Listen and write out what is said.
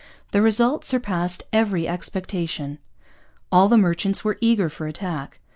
The result surpassed every expectation. All the merchants were eager for attack.